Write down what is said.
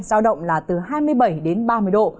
giao động là từ hai mươi bảy đến ba mươi độ